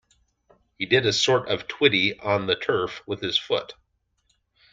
He did a sort of twiddly on the turf with his foot.